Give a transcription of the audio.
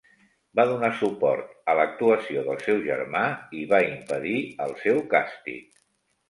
Va donar suport a l'actuació del seu germà i va impedir el seu càstig.